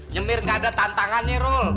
nyemir enggak ada tantangan nirul